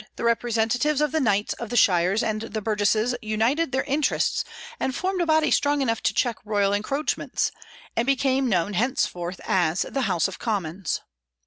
the representatives of the knights of the shires and the burgesses united their interests and formed a body strong enough to check royal encroachments, and became known henceforth as the House of Commons.